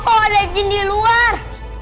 kalo ada jin di luar